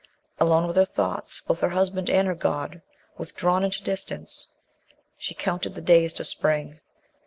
Alone with her thoughts, both her husband and her God withdrawn into distance, she counted the days to Spring.